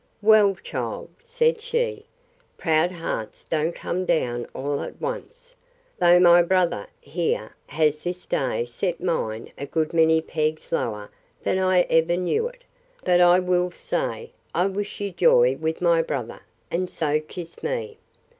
Well, child, said she, proud hearts don't come down all at once; though my brother, here, has this day set mine a good many pegs lower than I ever knew it: But I will say, I wish you joy with my brother; and so kissed me.